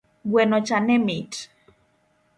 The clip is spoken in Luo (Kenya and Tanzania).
Gwenocha ne mit